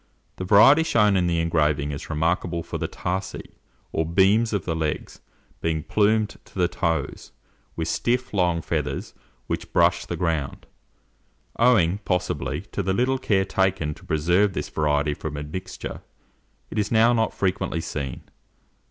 The variety shown in the engraving is remarkable for the tarsi, or beams of the legs, being plumed to the toes, with stiff, long feathers, which brush the ground. Owing, possibly, to the little care taken to preserve this variety from admixture, it is now not frequently seen.